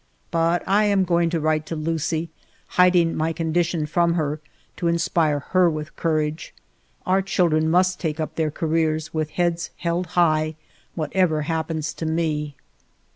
But I am going to write to Lucie, hiding my condition from her, to inspire her with courage. Our children must take up their careers, with heads held high, whatever happens to me.